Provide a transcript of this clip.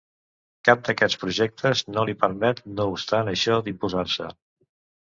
Cap d'aquests projectes no li permet no obstant això d'imposar-se.